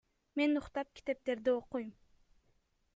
Мен уктап, китептерди окуйм.